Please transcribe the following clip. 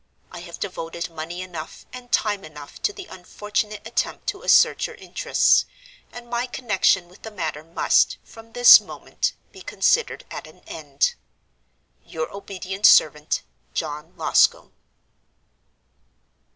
I have devoted money enough and time enough to the unfortunate attempt to assert your interests; and my connection with the matter must, from this moment, be considered at an end. "Your obedient servant, "JOHN LOSCOMBE."